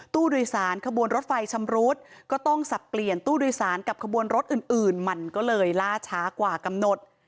ตู้โดยสารขบวนรถไฟชำรุดก็ต้องสับเปลี่ยนตู้โดยสารกับขบวนรถอื่นมันก็เลยล่าช้ากว่ากำหนด